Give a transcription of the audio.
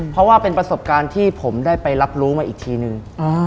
เพราะว่าเป็นประสบการณ์ที่ผมได้ไปรับรู้มาอีกทีนึง